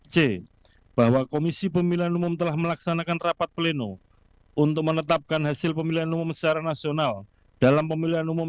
c bahwa komisi pemilihan umum telah melaksanakan rapat pleno yang berasal dari komisi pemilihan umum no lima tahun dua ribu dua puluh empat yang diperoleh untuk memulai pemilihan umum